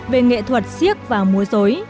về nghệ thuật siếc và mối rối